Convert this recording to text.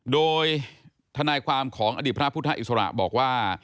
โดยทนายความของอดีตพระพุทธอิสระบอกว่า